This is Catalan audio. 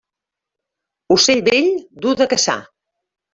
Ocell vell, dur de caçar.